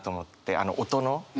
あの音の話。